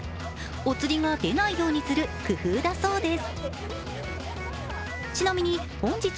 お釣りが出ないようにする工夫だそうです。